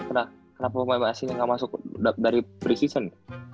kenapa pemain asingnya gak masuk dari pre season